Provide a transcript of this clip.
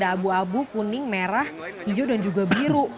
abu abu kuning merah hijau dan juga biru